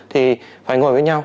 thì phải ngồi với nhau